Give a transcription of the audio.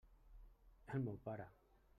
El meu pare.